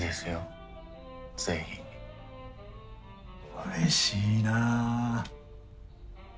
うれしいなあ。